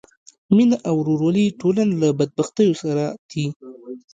مینه او ورورولي ټولنه له بدبختیو ساتي.